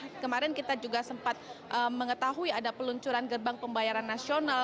kemarin kita juga sempat mengetahui ada peluncuran gerbang pembayaran nasional